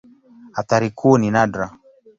Athari kuu ni nadra.